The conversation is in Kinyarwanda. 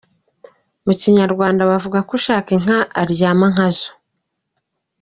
Mu Kinyarwanda bavuga ko ushaka inka aryama nkazo.